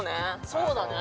そうだね。